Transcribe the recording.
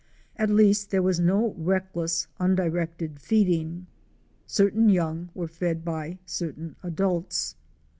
At least there was no reckless undirected feeding; certain young were fed by certain adults.